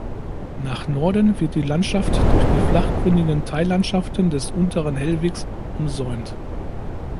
Nach Norden wird die Landschaft durch die flachgründigen Teillandschaften des Unteren Hellwegs umsäumt.